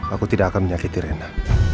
aku tidak akan menyakiti rena